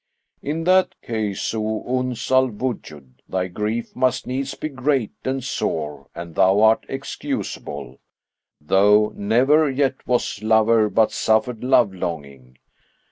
In that case, O Uns al Wujud, thy grief must needs be great and sore and thou art excusable, though never yet was lover but suffered love longing."